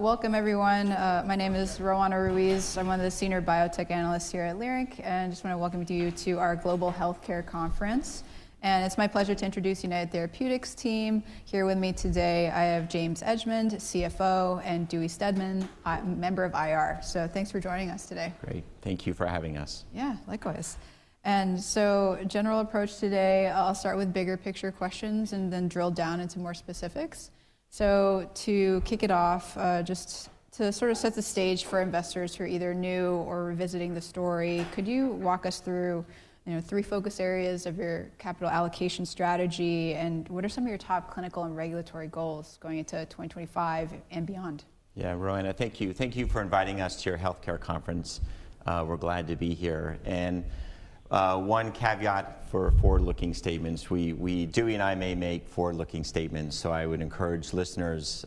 Welcome, everyone. My name is Roanna Ruiz. I'm one of the senior biotech analysts here at Leerink, and I just want to welcome you to our Global Healthcare Conference. It is my pleasure to introduce the United Therapeutics team. Here with me today, I have James Edgemond, CFO, and Dewey Steadman, a member of IR. Thanks for joining us today. Great. Thank you for having us. Yeah, likewise. General approach today, I'll start with bigger picture questions and then drill down into more specifics. To kick it off, just to sort of set the stage for investors who are either new or revisiting the story, could you walk us through three focus areas of your capital allocation strategy, and what are some of your top clinical and regulatory goals going into 2025 and beyond? Yeah, Roanna, thank you. Thank you for inviting us to your healthcare conference. We're glad to be here. One caveat for forward-looking statements, we, Dewey and I, may make forward-looking statements. I would encourage listeners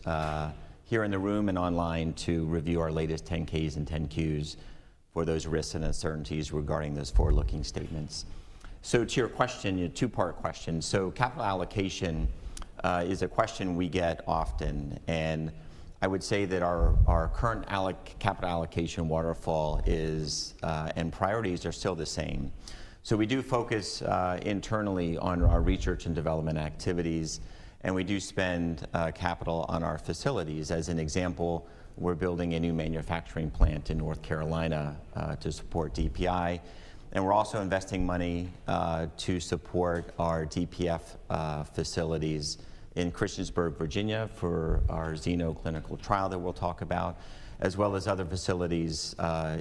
here in the room and online to review our latest 10-K and 10-Q for those risks and uncertainties regarding those forward-looking statements. To your question, a two-part question. Capital allocation is a question we get often. I would say that our current capital allocation waterfall is, and priorities are still the same. We do focus internally on our research and development activities, and we do spend capital on our facilities. As an example, we're building a new manufacturing plant in North Carolina to support DPI. We are also investing money to support our DPF facilities in Christiansburg, Virginia, for our xenoclinical trial that we will talk about, as well as other facilities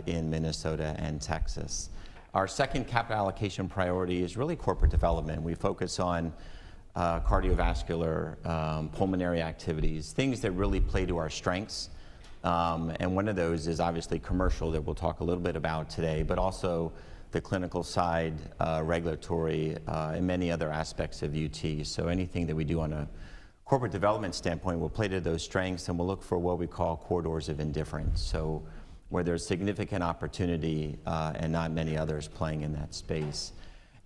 in Minnesota and Texas. Our second capital allocation priority is really corporate development. We focus on cardiovascular, pulmonary activities, things that really play to our strengths. One of those is obviously commercial that we will talk a little bit about today, but also the clinical side, regulatory, and many other aspects of UT. Anything that we do on a corporate development standpoint will play to those strengths, and we will look for what we call corridors of indifference, where there is significant opportunity and not many others playing in that space.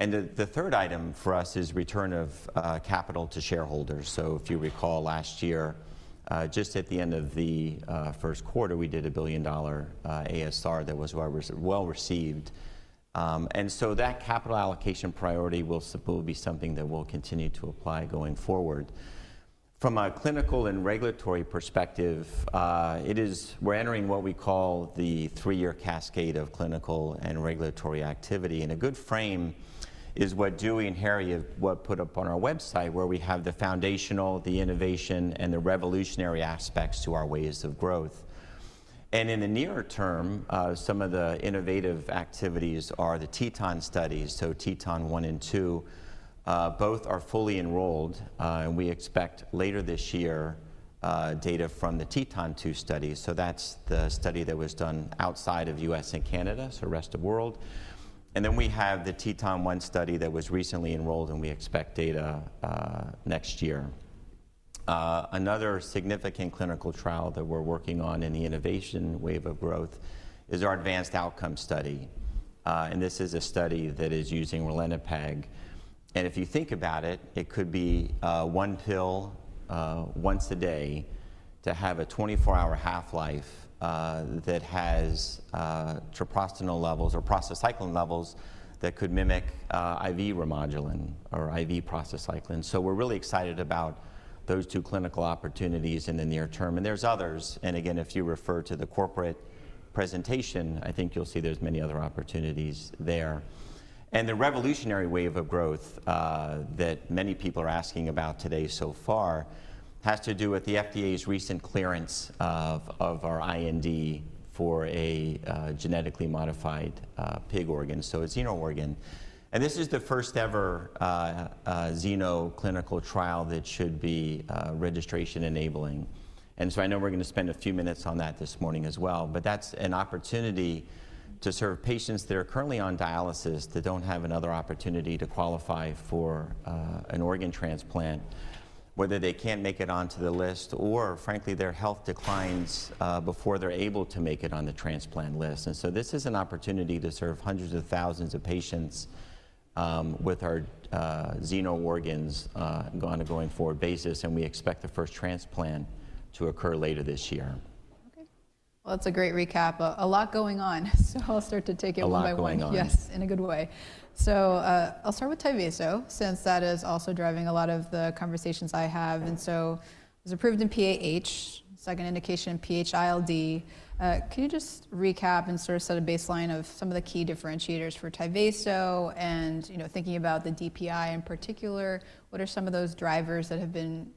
The third item for us is return of capital to shareholders. If you recall last year, just at the end of the first quarter, we did a $1 billion ASR that was well received. That capital allocation priority will be something that we'll continue to apply going forward. From a clinical and regulatory perspective, we're entering what we call the three-year cascade of clinical and regulatory activity. A good frame is what Dewey and Harry have put up on our website, where we have the foundational, the innovation, and the revolutionary aspects to our ways of growth. In the near term, some of the innovative activities are the TETON studies. TETON-1 and 2, both are fully enrolled, and we expect later this year data from the TETON-2 study. That's the study that was done outside of the U.S. and Canada, so rest of the world. We have the TETON-1 study that was recently enrolled, and we expect data next year. Another significant clinical trial that we're working on in the innovation wave of growth is our ADVANCE OUTCOMES study. This is a study that is using ralinepag. If you think about it, it could be one pill once a day to have a 24-hour half-life that has treprostinil levels or prostacyclin levels that could mimic IV Remodulin or IV prostacyclin. We're really excited about those two clinical opportunities in the near term. There are others. If you refer to the corporate presentation, I think you'll see there are many other opportunities there. The revolutionary wave of growth that many people are asking about today so far has to do with the FDA's recent clearance of our IND for a genetically modified pig organ, so a xeno-organ. This is the first-ever xenoclinical trial that should be registration-enabling. I know we're going to spend a few minutes on that this morning as well. That is an opportunity to serve patients that are currently on dialysis that don't have another opportunity to qualify for an organ transplant, whether they can't make it onto the list or, frankly, their health declines before they're able to make it on the transplant list. This is an opportunity to serve hundreds of thousands of patients with our xeno-organs on a going-forward basis. We expect the first transplant to occur later this year. Okay. That's a great recap. A lot going on, so I'll start to take it one-by-one. A lot going on. Yes, in a good way. I'll start with Tyvaso, since that is also driving a lot of the conversations I have. It was approved in PAH, second indication in PH-ILD. Can you just recap and sort of set a baseline of some of the key differentiators for Tyvaso and thinking about the DPI in particular? What are some of those drivers that have been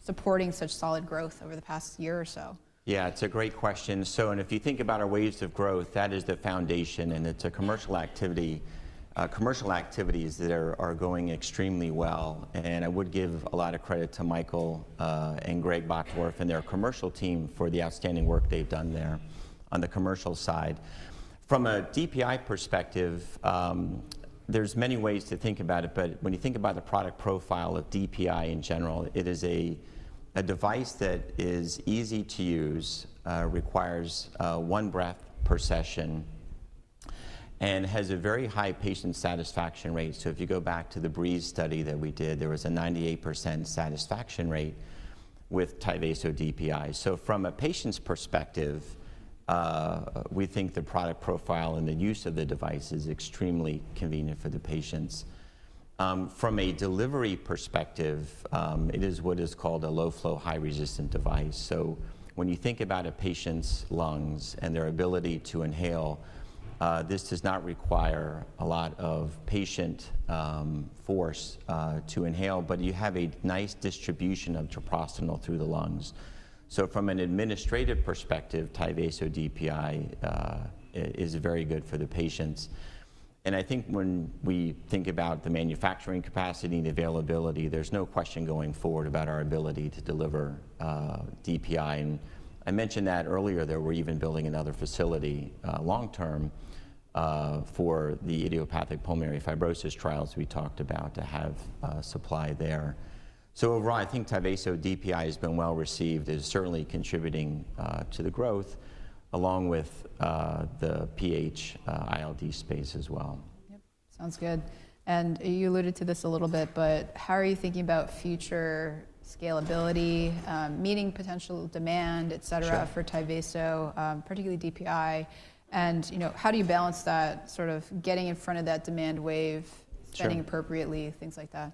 supporting such solid growth over the past year or so? Yeah, it's a great question. If you think about our ways of growth, that is the foundation, and it's a commercial activity that are going extremely well. I would give a lot of credit to Michael and Greg Block and their commercial team for the outstanding work they've done there on the commercial side. From a DPI perspective, there's many ways to think about it. When you think about the product profile of DPI in general, it is a device that is easy to use, requires one breath per session, and has a very high patient satisfaction rate. If you go back to the BREEZE study that we did, there was a 98% satisfaction rate with Tyvaso DPI. From a patient's perspective, we think the product profile and the use of the device is extremely convenient for the patients. From a delivery perspective, it is what is called a low-flow, high-resistant device. When you think about a patient's lungs and their ability to inhale, this does not require a lot of patient force to inhale, but you have a nice distribution of treprostinil through the lungs. From an administrative perspective, Tyvaso DPI is very good for the patients. I think when we think about the manufacturing capacity and availability, there is no question going forward about our ability to deliver DPI. I mentioned that earlier, that we are even building another facility long-term for the idiopathic pulmonary fibrosis trials we talked about to have supply there. Overall, I think Tyvaso DPI has been well received. It is certainly contributing to the growth along with the PH-ILD space as well. Yep, sounds good. You alluded to this a little bit, but how are you thinking about future scalability, meeting potential demand, etc., for Tyvaso, particularly DPI? How do you balance that, sort of getting in front of that demand wave, spending appropriately, things like that?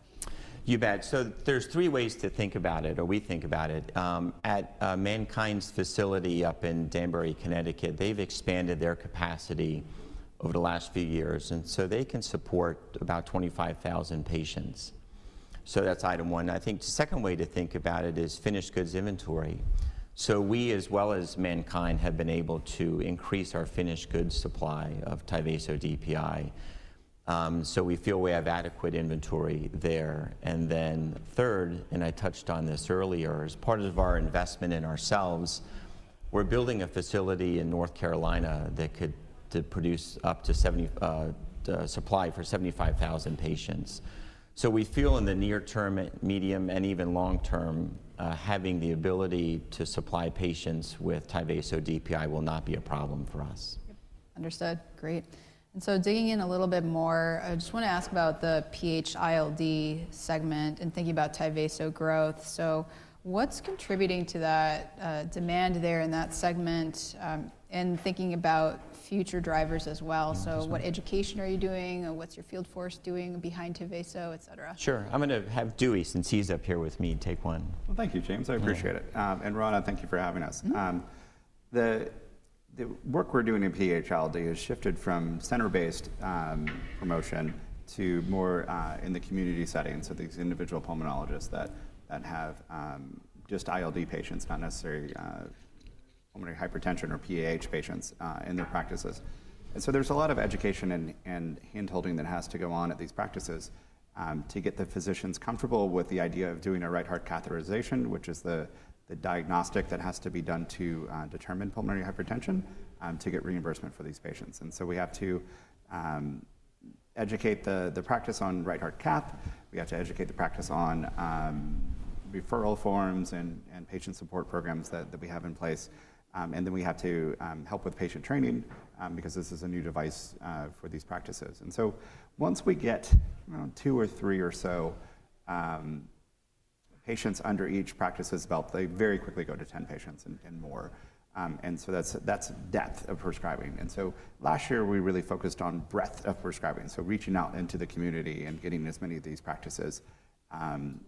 You bet. There are three ways to think about it, or we think about it. At MannKind's facility up in Danbury, Connecticut, they've expanded their capacity over the last few years. They can support about 25,000 patients. That's item one. I think the second way to think about it is finished goods inventory. We, as well as MannKind, have been able to increase our finished goods supply of Tyvaso DPI. We feel we have adequate inventory there. Third, and I touched on this earlier, as part of our investment in ourselves, we're building a facility in North Carolina that could produce up to supply for 75,000 patients. We feel in the near term, medium, and even long term, having the ability to supply patients with Tyvaso DPI will not be a problem for us. Understood. Great. Digging in a little bit more, I just want to ask about the PH-ILD segment and thinking about Tyvaso growth. What is contributing to that demand there in that segment and thinking about future drivers as well? What education are you doing? What is your field force doing behind Tyvaso, etc? Sure. I'm going to have Dewey, since he's up here with me, take one. Thank you, James. I appreciate it. Roanna, thank you for having us. The work we're doing in PH-ILD has shifted from center-based promotion to more in the community setting, so these individual pulmonologists that have just ILD patients, not necessarily pulmonary hypertension or PAH patients in their practices. There is a lot of education and hand-holding that has to go on at these practices to get the physicians comfortable with the idea of doing a right heart catheterization, which is the diagnostic that has to be done to determine pulmonary hypertension, to get reimbursement for these patients. We have to educate the practice on right heart cath. We have to educate the practice on referral forms and patient support programs that we have in place. We have to help with patient training because this is a new device for these practices. Once we get two or three or so patients under each practice's belt, they very quickly go to 10 patients and more. That is depth of prescribing. Last year, we really focused on breadth of prescribing, reaching out into the community and getting as many of these practices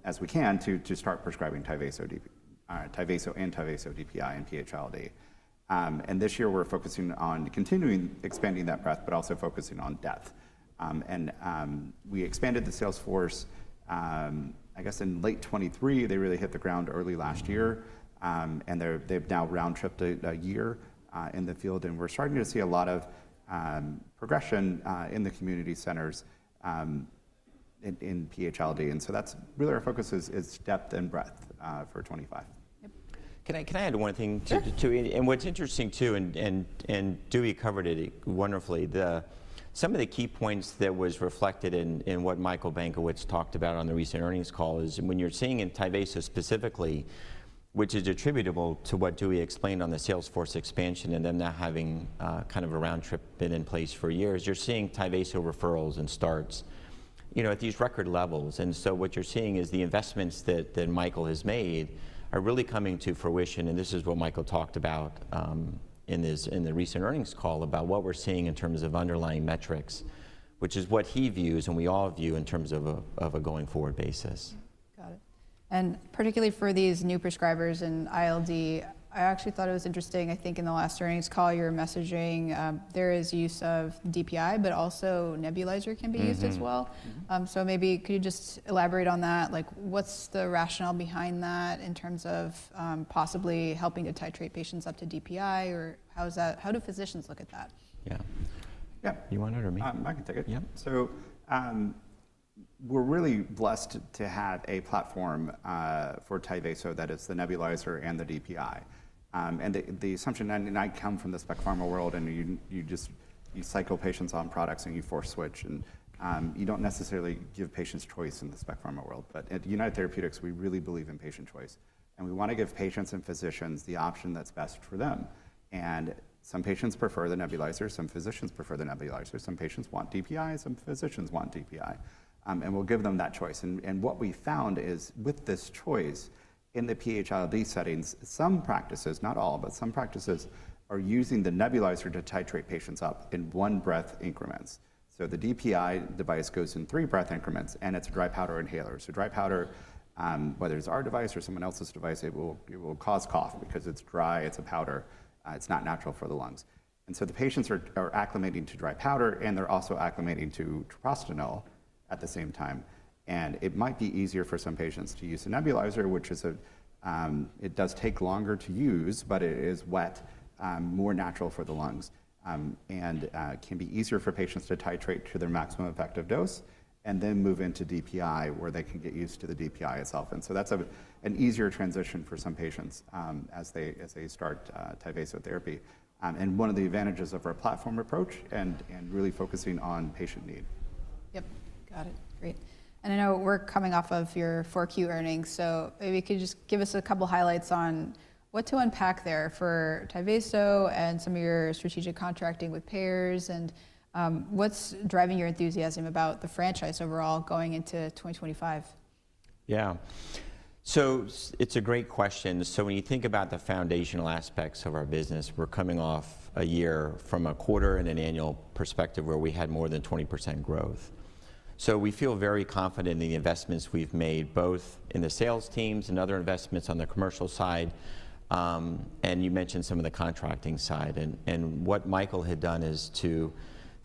as we can to start prescribing Tyvaso and Tyvaso DPI in PH-ILD. This year, we are focusing on continuing expanding that breadth, but also focusing on depth. We expanded the sales force, I guess, in late 2023. They really hit the ground early last year, and they have now round-tripped a year in the field. We are starting to see a lot of progression in the community centers in PH-ILD. That is really our focus: depth and breadth for 2025. Can I add one thing too? What's interesting too, and Dewey covered it wonderfully, some of the key points that was reflected in what Michael Benkowitz talked about on the recent earnings call is when you're seeing in Tyvaso specifically, which is attributable to what Dewey explained on the sales force expansion and then not having kind of a round trip been in place for years, you're seeing Tyvaso referrals and starts at these record levels. What you're seeing is the investments that Michael has made are really coming to fruition. This is what Michael talked about in the recent earnings call about what we're seeing in terms of underlying metrics, which is what he views and we all view in terms of a going-forward basis. Got it. Particularly for these new prescribers in ILD, I actually thought it was interesting. I think in the last earnings call, you were messaging there is use of DPI, but also nebulizer can be used as well. Maybe could you just elaborate on that? What's the rationale behind that in terms of possibly helping to titrate patients up to DPI? How do physicians look at that? Yeah. Yeah. You want it or me? I can take it. Yeah. We are really blessed to have a platform for Tyvaso that is the nebulizer and the DPI. The assumption, and I come from the spec pharma world, and you cycle patients on products and you force switch, and you do not necessarily give patients choice in the spec pharma world. At United Therapeutics, we really believe in patient choice. We want to give patients and physicians the option that is best for them. Some patients prefer the nebulizer. Some physicians prefer the nebulizer. Some patients want DPI. Some physicians want DPI. We will give them that choice. What we found is with this choice in the PH-ILD settings, some practices, not all, but some practices are using the nebulizer to titrate patients up in one-breath increments. The DPI device goes in three-breath increments, and it is a dry powder inhaler. Dry powder, whether it's our device or someone else's device, will cause cough because it's dry. It's a powder. It's not natural for the lungs. The patients are acclimating to dry powder, and they're also acclimating to treprostinil at the same time. It might be easier for some patients to use a nebulizer, which does take longer to use, but it is wet, more natural for the lungs, and can be easier for patients to titrate to their maximum effective dose, and then move into DPI where they can get used to the DPI itself. That's an easier transition for some patients as they start Tyvaso therapy. One of the advantages of our platform approach is really focusing on patient need. Got it. Great. I know we're coming off of your Q earnings. Maybe you could just give us a couple of highlights on what to unpack there for Tyvaso and some of your strategic contracting with payers and what's driving your enthusiasm about the franchise overall going into 2025? Yeah. It's a great question. When you think about the foundational aspects of our business, we're coming off a year from a quarter and an annual perspective where we had more than 20% growth. We feel very confident in the investments we've made, both in the sales teams and other investments on the commercial side. You mentioned some of the contracting side. What Michael had done is to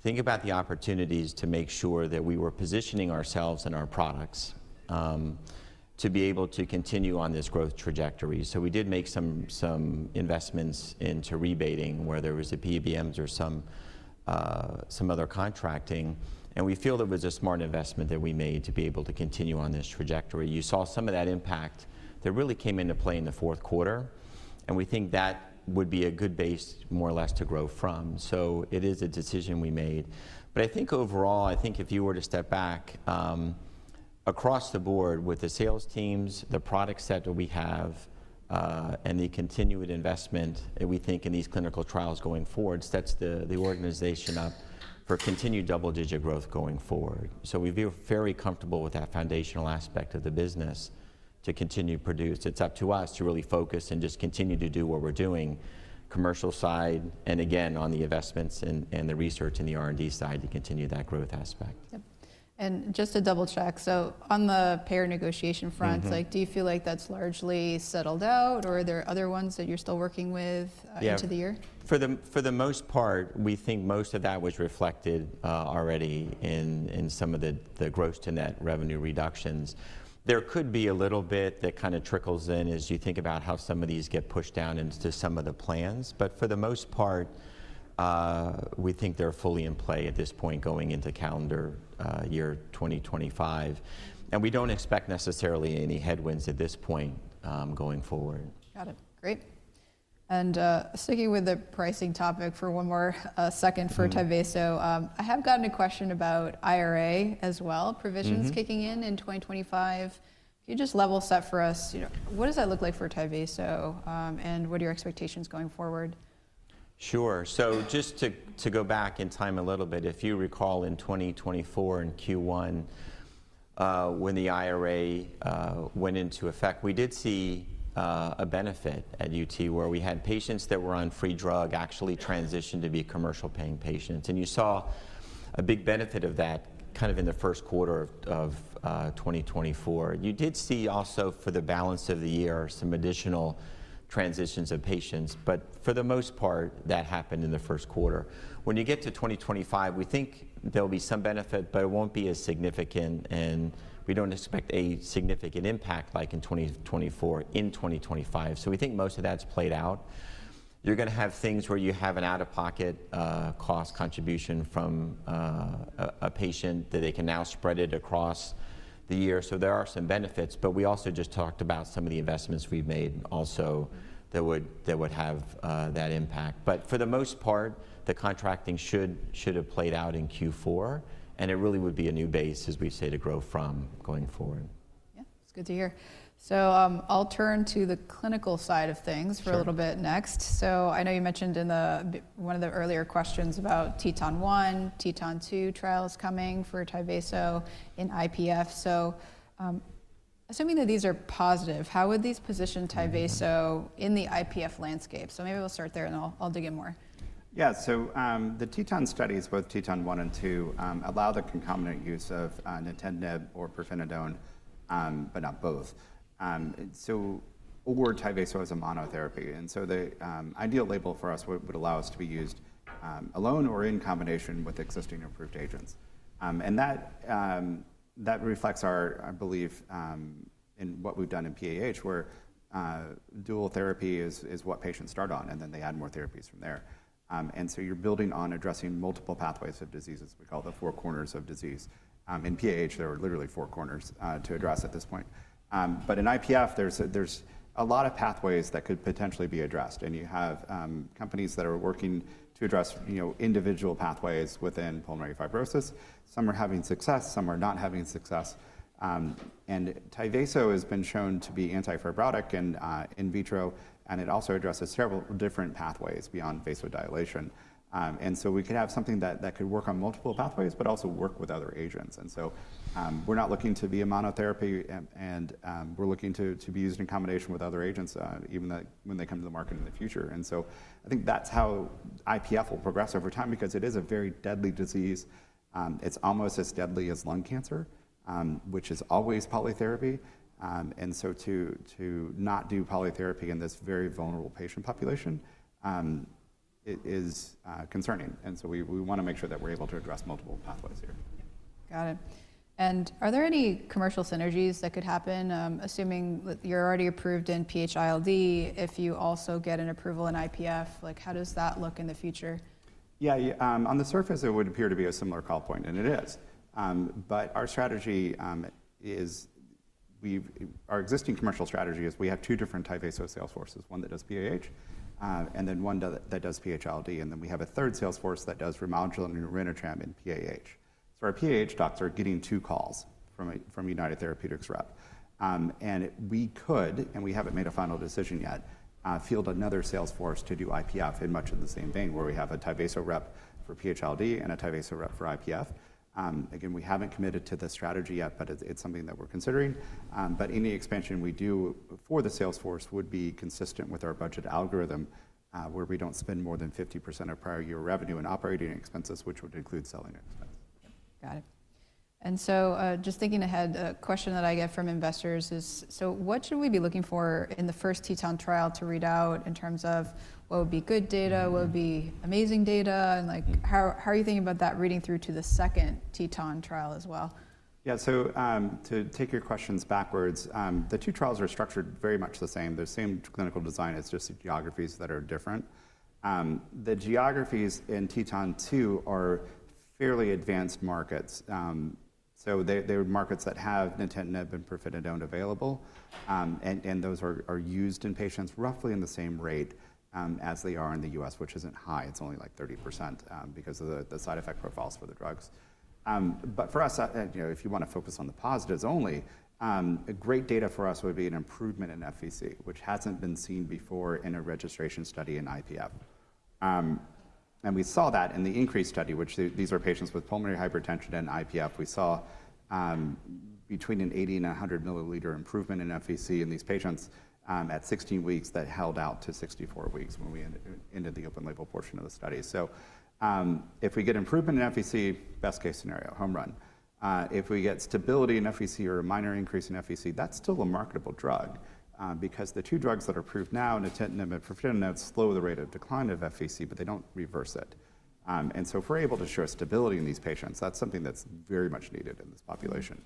think about the opportunities to make sure that we were positioning ourselves and our products to be able to continue on this growth trajectory. We did make some investments into rebating where there was PBMs or some other contracting. We feel it was a smart investment that we made to be able to continue on this trajectory. You saw some of that impact that really came into play in the fourth quarter. We think that would be a good base, more or less, to grow from. It is a decision we made. I think overall, if you were to step back across the board with the sales teams, the product set that we have, and the continued investment, we think in these clinical trials going forward, sets the organization up for continued double-digit growth going forward. We feel very comfortable with that foundational aspect of the business to continue produced. It's up to us to really focus and just continue to do what we're doing, commercial side, and again, on the investments and the research and the R&D side to continue that growth aspect. Yep. Just to double-check, on the payer negotiation front, do you feel like that's largely settled out? Are there other ones that you're still working with into the year? Yeah. For the most part, we think most of that was reflected already in some of the gross-to-net revenue reductions. There could be a little bit that kind of trickles in as you think about how some of these get pushed down into some of the plans. For the most part, we think they're fully in play at this point going into calendar year 2025. We don't expect necessarily any headwinds at this point going forward. Got it. Great. Sticking with the pricing topic for one more second for Tyvaso, I have gotten a question about IRA as well, provisions kicking in in 2025. Can you just level set for us? What does that look like for Tyvaso? What are your expectations going forward? Sure. Just to go back in time a little bit, if you recall in 2024 in Q1, when the IRA went into effect, we did see a benefit at United Therapeutics where we had patients that were on free drug actually transition to be commercial-paying patients. You saw a big benefit of that kind of in the first quarter of 2024. You did see also for the balance of the year some additional transitions of patients. For the most part, that happened in the first quarter. When you get to 2025, we think there'll be some benefit, but it won't be as significant. We don't expect a significant impact like in 2024 in 2025. We think most of that's played out. You're going to have things where you have an out-of-pocket cost contribution from a patient that they can now spread across the year. There are some benefits. We also just talked about some of the investments we've made also that would have that impact. For the most part, the contracting should have played out in Q4. It really would be a new base, as we say, to grow from going forward. Yeah. That's good to hear. I'll turn to the clinical side of things for a little bit next. I know you mentioned in one of the earlier questions about TETON-1, TETON-2 trials coming for Tyvaso in IPF. Assuming that these are positive, how would these position Tyvaso in the IPF landscape? Maybe we'll start there, and I'll dig in more. Yeah. The TETON studies, both TETON-1 and TETON-2, allow the concomitant use of nintedanib or pirfenidone, but not both, toward Tyvaso as a monotherapy. The ideal label for us would allow us to be used alone or in combination with existing approved agents. That reflects our, I believe, in what we've done in PAH, where dual therapy is what patients start on, and then they add more therapies from there. You're building on addressing multiple pathways of disease, as we call the four corners of disease. In PAH, there are literally four corners to address at this point. In IPF, there's a lot of pathways that could potentially be addressed. You have companies that are working to address individual pathways within pulmonary fibrosis. Some are having success. Some are not having success. Tyvaso has been shown to be antifibrotic in vitro. It also addresses several different pathways beyond vasodilation. We could have something that could work on multiple pathways, but also work with other agents. We are not looking to be a monotherapy. We are looking to be used in combination with other agents, even when they come to the market in the future. I think that is how IPF will progress over time because it is a very deadly disease. It is almost as deadly as lung cancer, which is always polytherapy. To not do polytherapy in this very vulnerable patient population is concerning. We want to make sure that we are able to address multiple pathways here. Got it. Are there any commercial synergies that could happen, assuming that you're already approved in PH-ILD, if you also get an approval in IPF? How does that look in the future? Yeah. On the surface, it would appear to be a similar call point, and it is. But our strategy is our existing commercial strategy is we have two different Tyvaso sales forces, one that does PAH, and then one that does PH-ILD. And then we have a third sales force that does Remodulin and Orenitram in PAH. So our PAH docs are getting two calls from a United Therapeutics rep. We could, and we have not made a final decision yet, field another sales force to do IPF in much of the same vein where we have a Tyvaso rep for PH-ILD and a Tyvaso rep for IPF. Again, we have not committed to the strategy yet, but it is something that we are considering. Any expansion we do for the sales force would be consistent with our budget algorithm where we do not spend more than 50% of prior year revenue in operating expenses, which would include selling expenses. Got it. Just thinking ahead, a question that I get from investors is, what should we be looking for in the first TETON trial to read out in terms of what would be good data, what would be amazing data? How are you thinking about that reading through to the second TETON trial as well? Yeah. To take your questions backwards, the two trials are structured very much the same. They're the same clinical design. It's just the geographies that are different. The geographies in TETON-2 are fairly advanced markets. They're markets that have nintedanib and pirfenidone available. Those are used in patients roughly in the same rate as they are in the U.S., which isn't high. It's only like 30% because of the side effect profiles for the drugs. For us, if you want to focus on the positives only, great data for us would be an improvement in FVC, which hasn't been seen before in a registration study in IPF. We saw that in the INCREASE study, which these are patients with pulmonary hypertension in IPF. We saw between an 80-100 milliliter improvement in FVC in these patients at 16 weeks that held out to 64 weeks when we ended the open-label portion of the study. If we get improvement in FVC, best case scenario, home run. If we get stability in FVC or a minor increase in FVC, that's still a marketable drug because the two drugs that are approved now, nintedanib and pirfenidone, slow the rate of decline of FVC, but they don't reverse it. If we're able to show stability in these patients, that's something that's very much needed in this population.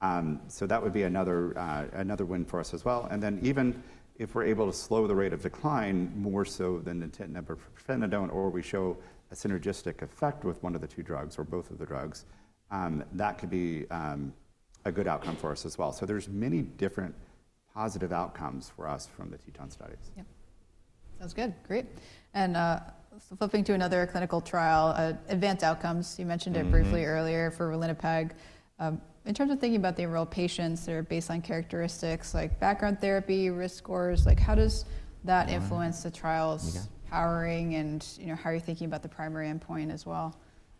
That would be another win for us as well. Even if we're able to slow the rate of decline more so than nintedanib or pirfenidone, or we show a synergistic effect with one of the two drugs or both of the drugs, that could be a good outcome for us as well. There are many different positive outcomes for us from the TETON studies. Yeah. Sounds good. Great. Flipping to another clinical trial, ADVANCE OUTCOMES. You mentioned it briefly earlier for ralinepag. In terms of thinking about the enrolled patients, there are baseline characteristics like background therapy, risk scores. How does that influence the trial's powering? How are you thinking about the primary endpoint as well?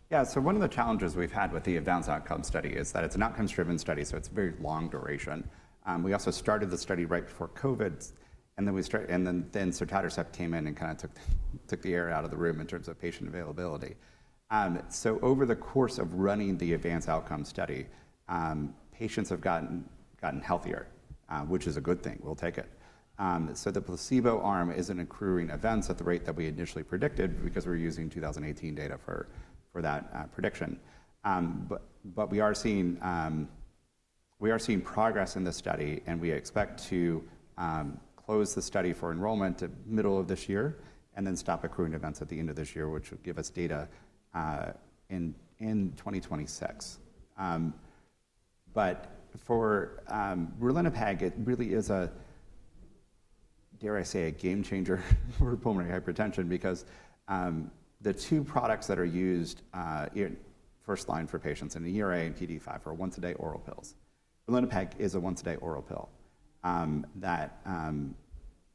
Yeah. One of the challenges we've had with the ADVANCE OUTCOMES study is that it's an outcome-driven study. It is a very long duration. We also started the study right before COVID. Then sotatercept came in and kind of took the air out of the room in terms of patient availability. Over the course of running the ADVANCE OUTCOMES study, patients have gotten healthier, which is a good thing. We'll take it. The placebo arm is not accruing events at the rate that we initially predicted because we're using 2018 data for that prediction. We are seeing progress in the study. We expect to close the study for enrollment in the middle of this year and then stop accruing events at the end of this year, which would give us data in 2026. For ralinepag, it really is a, dare I say, a game changer for pulmonary hypertension because the two products that are used first line for patients in the ERA and PDE5 are once-a-day oral pills. Ralinepag is a once-a-day oral pill that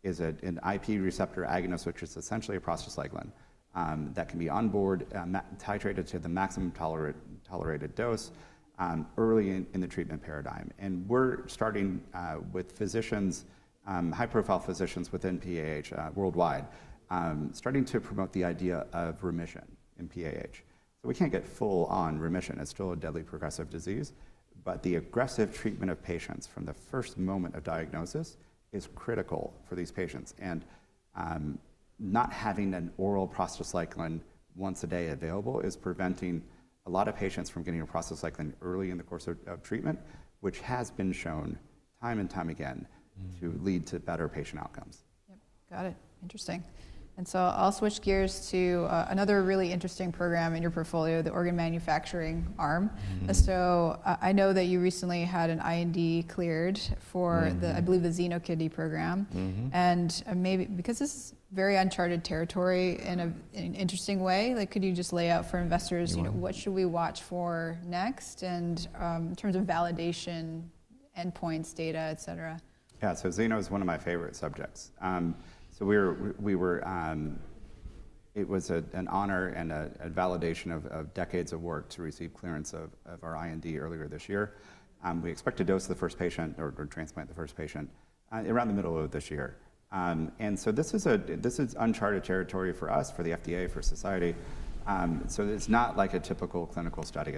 is an IP receptor agonist, which is essentially a prostacyclin that can be on board, titrated to the maximum tolerated dose early in the treatment paradigm. We're starting with physicians, high-profile physicians within PAH worldwide, starting to promote the idea of remission in PAH. We can't get full-on remission. It's still a deadly progressive disease. The aggressive treatment of patients from the first moment of diagnosis is critical for these patients. Not having an oral prostacyclin once a day available is preventing a lot of patients from getting a prostacyclin early in the course of treatment, which has been shown time and time again to lead to better patient outcomes. Yep. Got it. Interesting. I'll switch gears to another really interesting program in your portfolio, the Organ Manufacturing arm. I know that you recently had an IND cleared for, I believe, the xenokidney program. Because this is very uncharted territory in an interesting way, could you just lay out for investors what should we watch for next in terms of validation, endpoints, data, etc? Yeah. Xeno is one of my favorite subjects. It was an honor and a validation of decades of work to receive clearance of our IND earlier this year. We expect to dose the first patient or transplant the first patient around the middle of this year. This is uncharted territory for us, for the FDA, for society. It is not like a typical clinical study.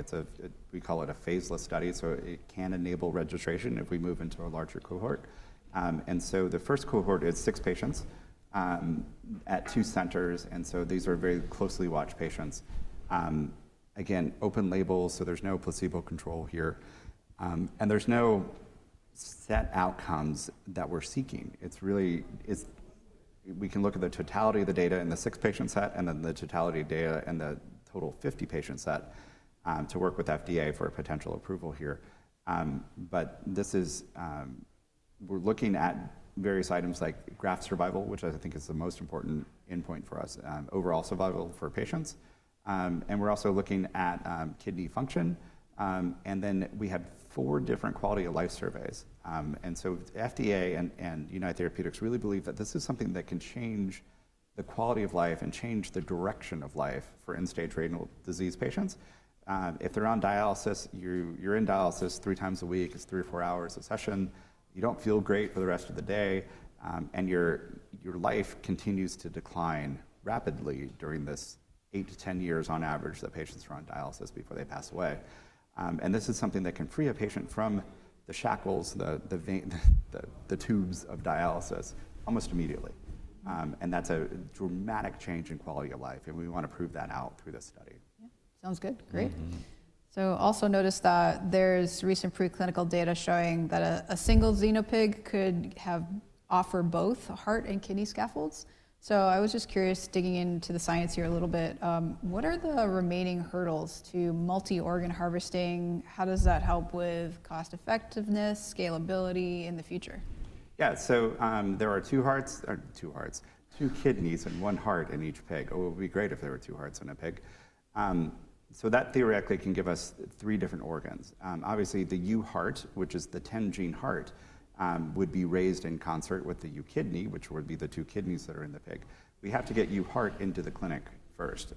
We call it a phaseless study. It can enable registration if we move into a larger cohort. The first cohort is six patients at two centers. These are very closely watched patients. Again, open label, so there is no placebo control here. There are no set outcomes that we are seeking. We can look at the totality of the data in the six-patient set and then the totality of data in the total 50-patient set to work with FDA for a potential approval here. We are looking at various items like graft survival, which I think is the most important endpoint for us, overall survival for patients. We are also looking at kidney function. We have four different quality of life surveys. FDA and United Therapeutics really believe that this is something that can change the quality of life and change the direction of life for end-stage renal disease patients. If they are on dialysis, you are in dialysis three times a week. It is three or four hours of session. You do not feel great for the rest of the day. Your life continues to decline rapidly during this 8-10 years on average that patients are on dialysis before they pass away. This is something that can free a patient from the shackles, the tubes of dialysis almost immediately. That is a dramatic change in quality of life. We want to prove that out through this study. Yeah. Sounds good. Great. I also noticed that there's recent preclinical data showing that a single xenopig could offer both heart and kidney scaffolds. I was just curious, digging into the science here a little bit, what are the remaining hurdles to multi-organ harvesting? How does that help with cost-effectiveness, scalability in the future? Yeah. There are two hearts, two kidneys, and one heart in each pig. It would be great if there were two hearts in a pig. That theoretically can give us three different organs. Obviously, the UHeart, which is the 10-gene heart, would be raised in concert with the UKidney, which would be the two kidneys that are in the pig. We have to get UHeart into the clinic first.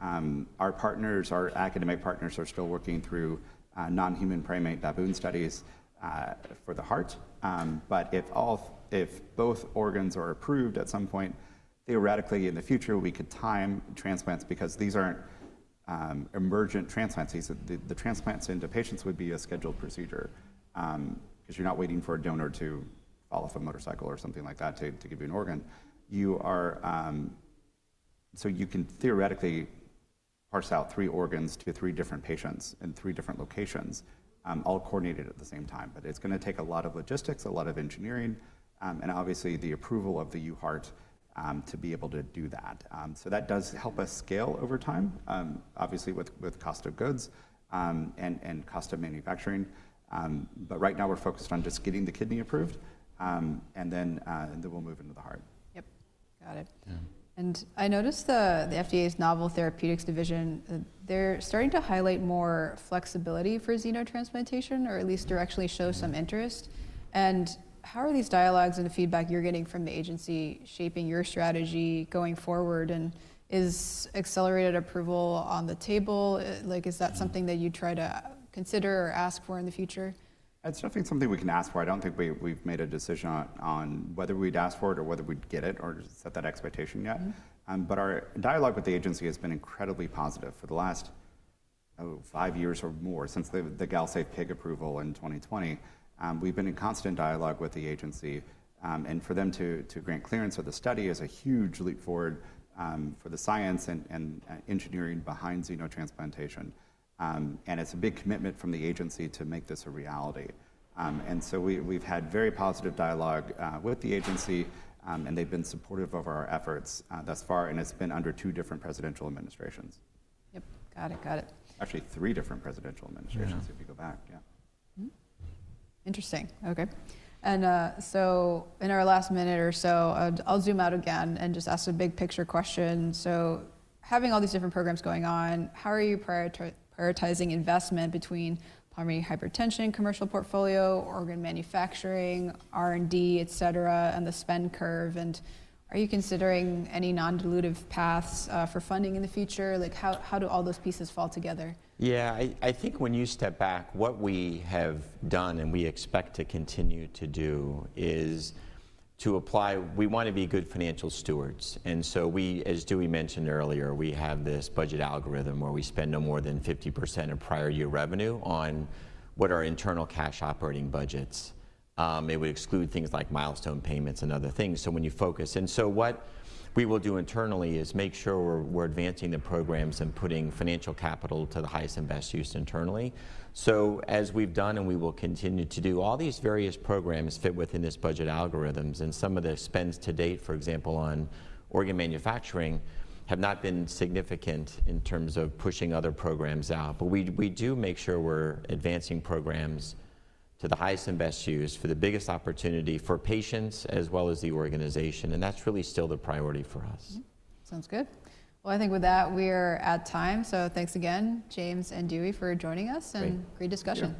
Our academic partners are still working through non-human primate baboon studies for the heart. If both organs are approved at some point, theoretically in the future, we could time transplants because these are not emergent transplants. The transplants into patients would be a scheduled procedure because you are not waiting for a donor to fall off a motorcycle or something like that to give you an organ. You can theoretically parse out three organs to three different patients in three different locations, all coordinated at the same time. It is going to take a lot of logistics, a lot of engineering, and obviously the approval of the UHeart to be able to do that. That does help us scale over time, obviously with cost of goods and cost of manufacturing. Right now, we're focused on just getting the kidney approved. Then we'll move into the heart. Got it. I noticed the FDA's novel therapeutics division, they're starting to highlight more flexibility for xenotransplantation or at least directly show some interest. How are these dialogues and the feedback you're getting from the agency shaping your strategy going forward? Is accelerated approval on the table? Is that something that you try to consider or ask for in the future? It's definitely something we can ask for. I don't think we've made a decision on whether we'd ask for it or whether we'd get it or set that expectation yet. Our dialogue with the agency has been incredibly positive for the last five years or more since the GalSafe pig approval in 2020. We've been in constant dialogue with the agency. For them to grant clearance of the study is a huge leap forward for the science and engineering behind xenotransplantation. It's a big commitment from the agency to make this a reality. We've had very positive dialogue with the agency. They've been supportive of our efforts thus far. It's been under two different presidential administrations. Got it. Got it. Actually, three different presidential administrations if you go back. Yeah. Interesting. Okay. In our last minute or so, I'll zoom out again and just ask a big picture question. Having all these different programs going on, how are you prioritizing investment between pulmonary hypertension, commercial portfolio, organ manufacturing, R&D, etc., and the spend curve? Are you considering any non-dilutive paths for funding in the future? How do all those pieces fall together? Yeah. I think when you step back, what we have done and we expect to continue to do is to apply. We want to be good financial stewards. We, as Dewey mentioned earlier, have this budget algorithm where we spend no more than 50% of prior year revenue on what are internal cash operating budgets. It would exclude things like milestone payments and other things. When you focus, what we will do internally is make sure we're advancing the programs and putting financial capital to the highest and best use internally. As we've done, and we will continue to do, all these various programs fit within this budget algorithm. Some of the spends to date, for example, on organ manufacturing have not been significant in terms of pushing other programs out. We do make sure we're advancing programs to the highest and best use for the biggest opportunity for patients as well as the organization. That's really still the priority for us. Sounds good. I think with that, we're at time. Thanks again, James and Dewey, for joining us. Great discussion.